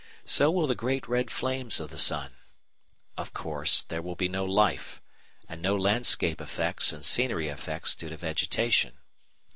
So will the great red flames of the sun. Of course, there will be no life, and no landscape effects and scenery effects due to vegetation.